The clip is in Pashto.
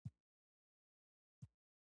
د سقوط دلایل او د افغانستان